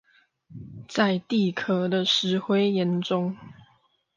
在地殼的石灰岩中